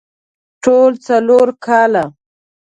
ټول څلور کاله